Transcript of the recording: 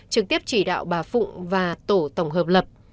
trực tiếp chỉ đạo bà phụng và tổ tổng hợp lập